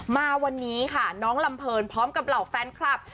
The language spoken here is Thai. มาวันนี้ค่ะน้องลำเพลินพร้อมกับเหล่าแฟนคลับ